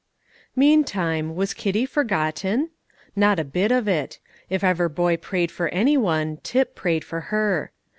Meantime, was Kitty forgotten? Not a bit of it. If ever boy prayed for any one, Tip prayed for her.